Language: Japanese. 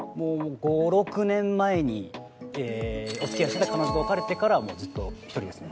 ５６年前にお付き合いしてた彼女と別れてからはもうずっと１人ですね。